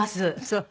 そう。